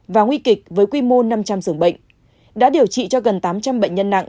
và nguy kịch với quy mô năm trăm linh dường bệnh đã điều trị cho gần tám trăm linh bệnh nhân nặng